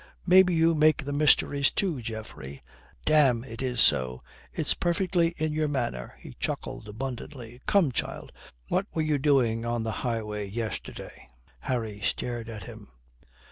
Maybe you make the mysteries too, Geoffrey. Damme, it is so. It's perfectly in your manner," he chuckled abundantly. "Come, child, what were you doing on the highway yesterday?" Harry stared at him.